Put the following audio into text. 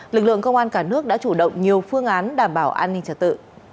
lực lượng công an cả nước đã chủ động nhiều phương án đảm bảo an ninh trật tự